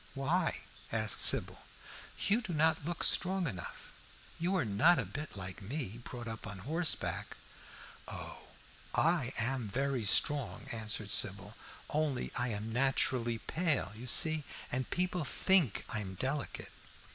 "Why?" asked Sybil. "You do not look strong enough. You are not a bit like me, brought up on horseback." "Oh, I am very strong," answered Sybil, "only I am naturally pale, you see, and people think I am delicate."